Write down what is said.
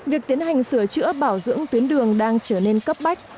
việc tiến hành sửa chữa bảo dưỡng tuyến đường đang trở nên cấp bách